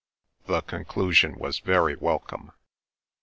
The conclusion was very welcome.